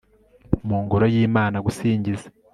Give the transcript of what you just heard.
mungoro y imana [gusingiza